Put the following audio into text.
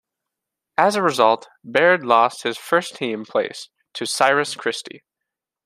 As a result, Baird lost his first team place to Cyrus Christie.